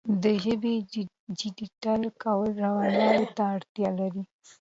د ژبې ډیجیټل کول روانوالي ته اړتیا لري.